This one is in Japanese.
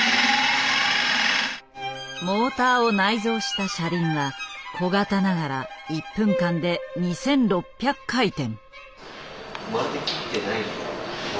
モーターを内蔵した車輪は小型ながら１分間で２，６００回転。